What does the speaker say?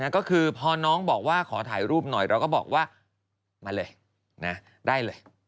ก็คือพอน้องบอกว่าขอถ่ายรูปหน่อยเราก็บอกว่ามาเลยได้เลย